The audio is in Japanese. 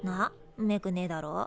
んめくねえだろ？